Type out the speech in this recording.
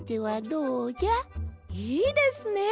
いいですね！